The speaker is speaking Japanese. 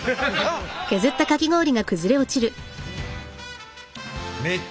あっ！